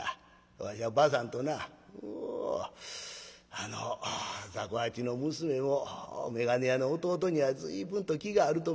わしゃばあさんとなあの雑穀八の娘も眼鏡屋の弟には随分と気があると見える。